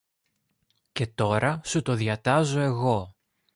Και τώρα σου το διατάζω εγώ